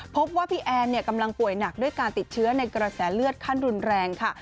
พบว่าพี่แอนกำลังป่วยหนักด้วยการติดเชื้อในกระแสเลือดขั้นรุนแรงค่ะ